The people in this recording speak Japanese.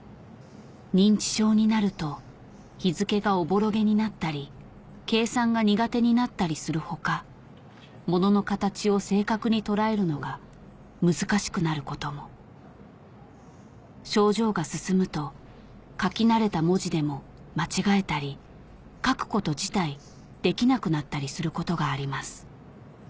認知症になると日付がおぼろげになったり計算が苦手になったりする他物の形を正確に捉えるのが難しくなることも症状が進むと書き慣れた文字でも間違えたり書くこと自体できなくなったりすることがあります